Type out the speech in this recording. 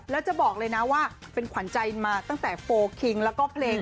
แล้วจะบอกเลยนะว่าเป็นขวัญใจมาตั้งแต่โฟลคิงแล้วก็เพลง